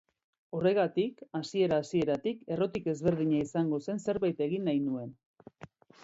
Horregatik, hasiera-hasieratik, errotik ezberdina izango zen zerbait egin nahi nuen.